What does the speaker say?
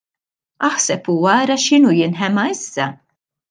Aħseb u ara x'inhu jinħema issa.